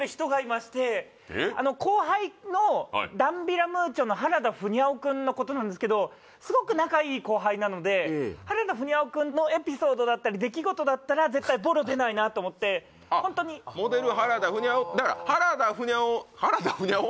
後輩のダンビラムーチョの原田フニャオ君のことなんですけどすごく仲いい後輩なので原田フニャオ君のエピソードだったり出来事だったら絶対ボロ出ないなと思ってホントにあっモデル原田フニャオだから原田フニャオ原田フニャオ？